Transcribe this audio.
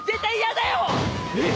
えっ！？